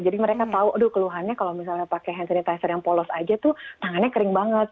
jadi mereka tahu aduh keluhannya kalau misalnya pakai hand sanitizer yang polos aja tuh tangannya kering banget